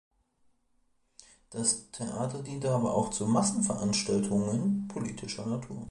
Das Theater diente aber auch zu Massenveranstaltungen politischer Natur.